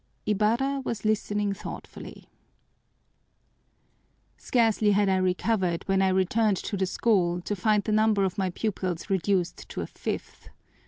Ibarra was listening thoughtfully. "Scarcely had I recovered when I returned to the school to find the number of my pupils reduced to a fifth.